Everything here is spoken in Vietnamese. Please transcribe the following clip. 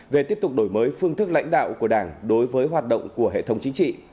về tiếp tục đổi mới phương thức lãnh đạo của đảng đối với hoạt động của hệ thống chính trị